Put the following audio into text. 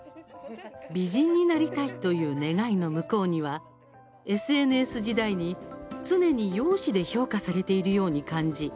美人になりたいという願いの向こうにはＳＮＳ時代に、常に容姿で評価されているように感じ